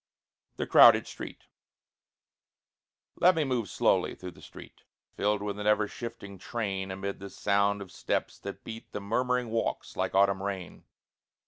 THE CROWDED STREET Let me move slowly through the street, Filled with an ever shifting train, Amid the sound of steps that beat The murmuring walks like autumn rain.